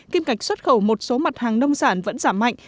kim ngạch xuất khẩu một số mặt hàng nông sản vẫn giảm mạnh